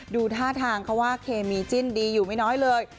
ดูท่าทางเขาว่าเคมีจิ้นดีอยู่ไม่น้อยเลย